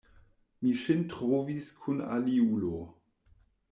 Mi ŝin trovis kun aliulo.